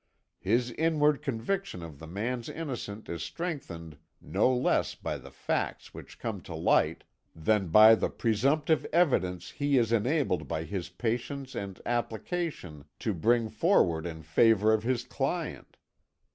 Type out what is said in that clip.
His inward conviction of the man's innocence is strengthened no less by the facts which come to light than by the presumptive evidence he is enabled by his patience and application to bring forward in favour of his client.